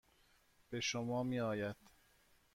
به شما میآید.